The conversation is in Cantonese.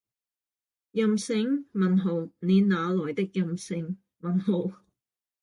任性？你那來的任性？